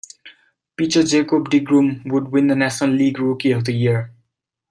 Pitcher Jacob deGrom would win the National League Rookie of the Year.